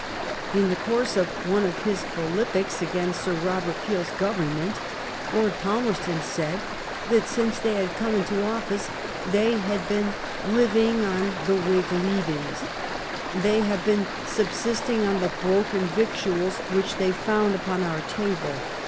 In the course of one of his philippics against Sir Bobert Peel's Government, Lord Palmerston said that since they had come into office they had been living on (the Whig) leavings. They have been subsisting on the broken victuals which they found upon our table.